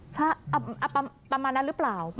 ใช่ประมาณนั้นหรือเปล่า